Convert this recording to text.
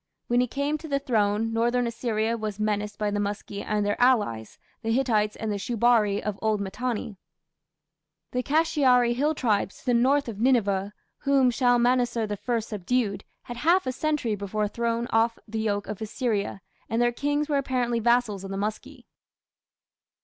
When he came to the throne, northern Assyria was menaced by the Muski and their allies, the Hittites and the Shubari of old Mitanni. The Kashiari hill tribes to the north of Nineveh, whom Shalmaneser I subdued, had half a century before thrown off the yoke of Assyria, and their kings were apparently vassals of the Muski.